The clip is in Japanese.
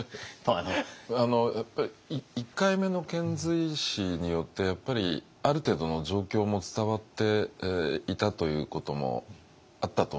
やっぱり１回目の遣隋使によってある程度の状況も伝わっていたということもあったと思いますね。